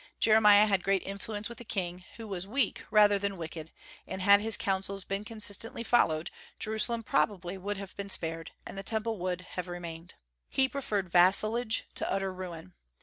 Jeremiah had great influence with the king, who was weak rather than wicked, and had his counsels been consistently followed, Jerusalem would probably have been spared, and the Temple would, have remained. He preferred vassalage to utter ruin.